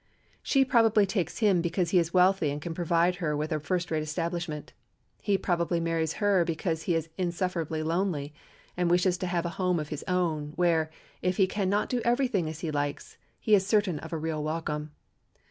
She probably takes him because he is wealthy and can provide her with a first rate establishment. He probably marries her because he is insufferably lonely and wishes to have a home of his own, where, if he can not do every thing as he likes, he is certain of a real welcome.